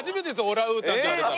オランウータンって言われたの。